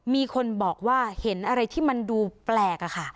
มีคนบอกว่าเห็นอะไรที่มันดูแปลกอะค่ะ